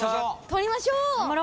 取りましょう！